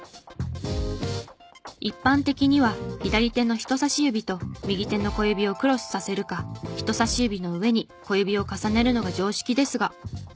一般的には左手の人さし指と右手の小指をクロスさせるか人さし指の上に小指を重ねるのが常識ですが。